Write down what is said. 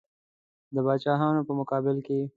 د پاچاهانو په مقابل کې.